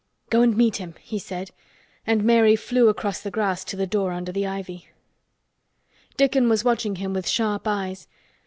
"Go and meet him," he said; and Mary flew across the grass to the door under the ivy. Dickon was watching him with sharp eyes.